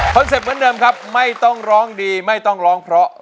เป็ตเหมือนเดิมครับไม่ต้องร้องดีไม่ต้องร้องเพราะ